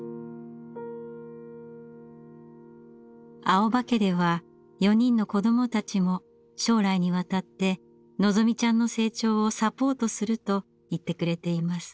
青葉家では４人の子どもたちも将来にわたってのぞみちゃんの成長をサポートすると言ってくれています。